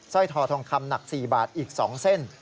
ร้อยทอทองคำหนัก๔บาทอีก๒เส้น